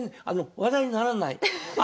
話題にならない？